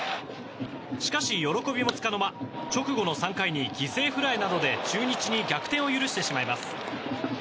しかし喜びもつかの間直後の３回に犠牲フライなどで中日に逆転を許してしまいます。